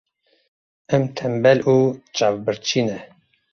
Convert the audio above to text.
Em tembel û çavbirçî ne.